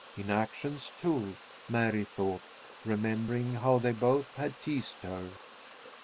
In actions, too, Mary thought, remembering how they both had teased her.